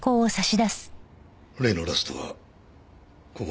例のラストはここに？